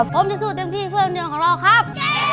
ผมจะสู้เต็มที่เพื่อเมืองของเราครับ